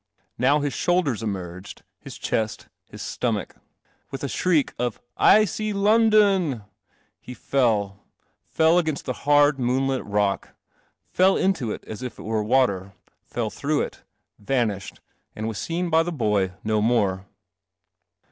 Now his shoulders emerged, his chest, his stomach. With a shriek of " I see London," he fell — fell against the hard, moonlit rock, fell into it as if it were water, fell through it, vanished, and was seen by the boy no more.